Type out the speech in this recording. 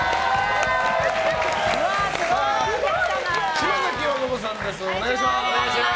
島崎和歌子さんです。